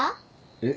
えっ。